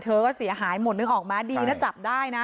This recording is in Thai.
เธอก็เสียหายหมดนึกออกมาดีนะจับได้นะ